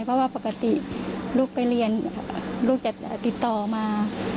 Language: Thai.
เพราะว่าปกติลูกไปเรียนลูกจะติดต่อมา